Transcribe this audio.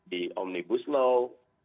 di omnibus law